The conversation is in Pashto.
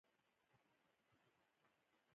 بزګر د شتمنیو بنسټ دی